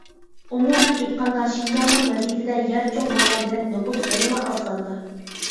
ئومۇمەن ئېيتقاندا، شىنجاڭنىڭ ۋەزىيىتىدە يەر چوڭ بولغان بىلەن نوپۇس يەنىلا ئاز ساندا.